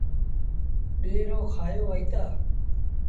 ڏيٚݩهݩ رو کآيو وهيٚتآ۔